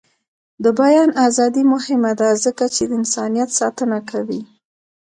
د بیان ازادي مهمه ده ځکه چې د انسانیت ساتنه کوي.